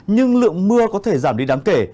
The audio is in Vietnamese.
nhưng lượng mưa có thể giảm đi đáng kể